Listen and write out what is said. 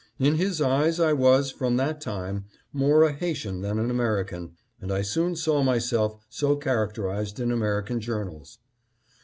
In his eyes I was, from that time, more a Haitian than an American, and I soon saw myself so characterized in American journals.